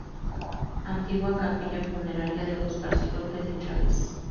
Antigua capilla funeraria de los Garci-López de Chaves.